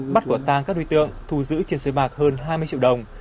bắt quả tang các đối tượng thù giữ trên sới bạc hơn hai mươi triệu đồng